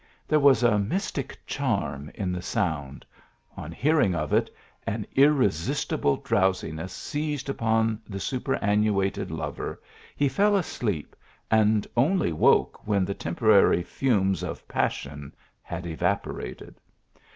There was a mystic charm in the sound : on hearing of it, an irresistible drowsiness seized upon the superannuated lover, he fell asleep, and only woke when the temporary fumes of pas sion had evaporated.